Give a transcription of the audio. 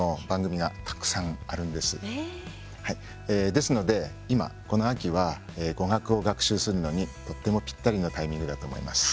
ですので今この秋は語学を学習するのにとてもぴったりなタイミングだと思います。